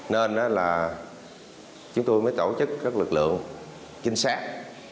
nên là chúng tôi mới tổ chức các lực lượng trinh sát